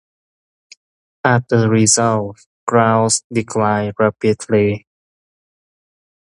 As a result, crowds declined rapidly.